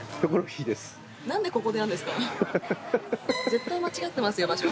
絶対間違ってますよ場所。